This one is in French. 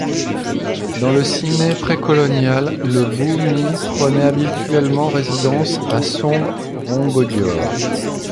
Dans le Siné précolonial, le Buumi prenait habituellement résidence à Somb Rongodior.